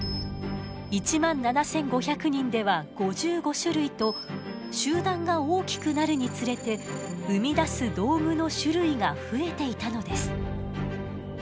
１万７，５００人では５５種類と集団が大きくなるにつれて生み出す道具の種類が増えていたのです。